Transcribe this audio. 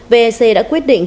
vec đã quyết định